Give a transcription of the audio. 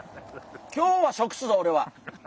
今日は食すぞオレは！